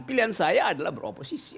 kalau saya saya adalah beroposisi